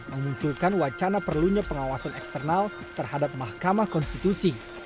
memunculkan wacana perlunya pengawasan eksternal terhadap mahkamah konstitusi